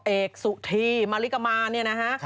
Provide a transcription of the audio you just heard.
เอกสุธีมาริกามานะฮะ